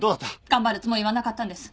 頑張るつもりはなかったんです。